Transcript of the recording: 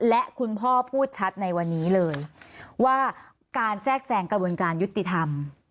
และคุณพ่อพูดชัดในวันนี้เลยว่าการแทรกแซงกระบวนการยุติธรรม